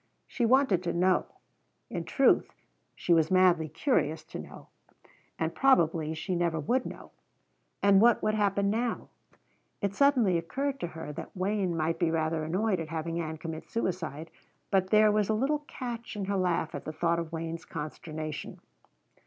She wanted to know. In truth, she was madly curious to know. And probably she never would know. And what would happen now? It suddenly occurred to her that Wayne might be rather annoyed at having Ann commit suicide. But there was a little catch in her laugh at the thought of Wayne's consternation.